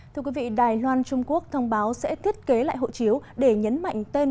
thưa quý vị đài loan trung quốc thông báo sẽ thiết kế lại hộ chiếu để nhấn mạnh tên